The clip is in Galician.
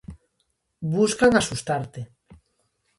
Buscan asustarte.